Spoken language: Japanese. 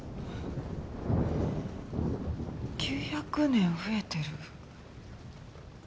９００年増えてる。